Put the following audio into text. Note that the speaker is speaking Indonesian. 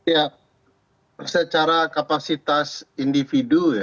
ya secara kapasitas individu ya